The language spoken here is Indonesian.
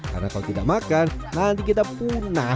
karena kalau tidak makan nanti kita punah